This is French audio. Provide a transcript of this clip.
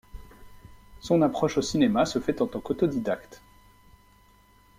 Son approche au cinéma se fait en tant qu'autodidacte.